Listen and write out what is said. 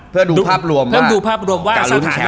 เพื่อดูภาพรวมว่า